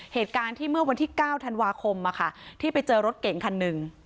เหตุการณ์ที่เมื่อวันที่๙ธันวาคมที่ไปเจอรถเก่งคันหนึ่ง